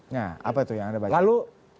nah apa tuh yang anda baca lalu